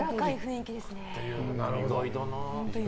意外だな。